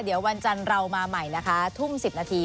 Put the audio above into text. เดี๋ยววันจันทร์เรามาใหม่นะคะทุ่ม๑๐นาที